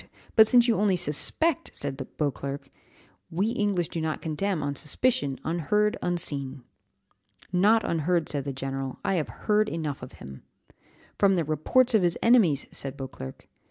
But since you only suspect," said Beauclerc, "we English do not condemn on suspicion, unheard, unseen." "Not unheard," said the general, "I have heard enough of him." "From the reports of his enemies," said Beauclerc.